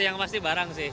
oh yang pasti barang sih